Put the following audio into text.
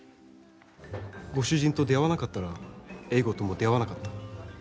ご主人と出会わなかったら英語とも出会わなかった。